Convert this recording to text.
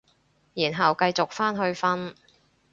然後繼續返去瞓